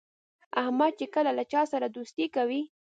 احمد چې کله له چا سره دوستي کوي،